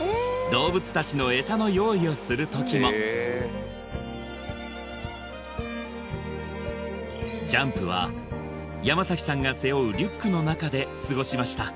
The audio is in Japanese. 動物たちのエサの用意をする時もジャンプは山さんが背負うリュックの中で過ごしました